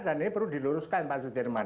dan ini perlu diluruskan pak sudirman